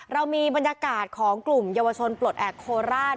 เรามีบรรยากาศของกลุ่มเยาวชนปลดแอบโคราช